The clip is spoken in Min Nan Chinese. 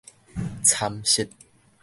蠶食